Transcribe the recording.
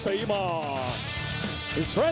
สร้างการที่กระทะนัก